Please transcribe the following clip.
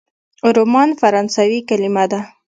رومان فرانسوي کلمه ده.